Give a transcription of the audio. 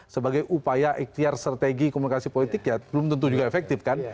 sebagai upaya ikhtiar strategi komunikasi politik ya belum tentu juga efektif kan